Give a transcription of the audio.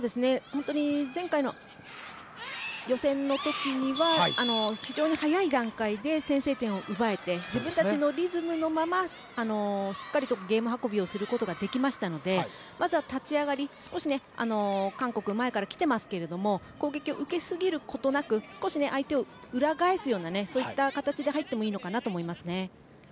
前回の予選の時には非常に早い段階で先制点を奪えて自分たちのリズムのまましっかりゲーム運びができましたのでまずは立ち上がり少し韓国、前から来ていますけど攻撃を受けすぎることなく少し相手を裏返すようなそういった形で入ってもいいのかなと思います。